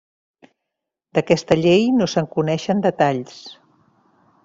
D'aquesta llei no se'n coneixen detalls.